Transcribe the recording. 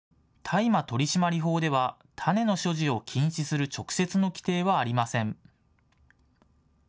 大麻取締法では種の所持を禁止する直接の規定はありません。